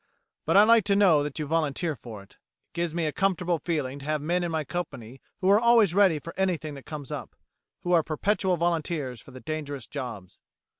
But I like to know that you volunteer for it. It gives me a comfortable feeling to have men in my company who are always ready for anything that comes up, who are perpetual volunteers for the dangerous jobs."